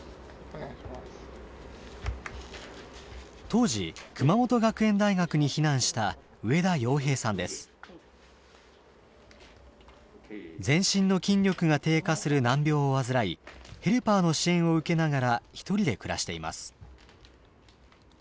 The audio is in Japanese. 当時熊本学園大学に避難した全身の筋力が低下する難病を患いヘルパーの支援を受けながら１人で暮らしています。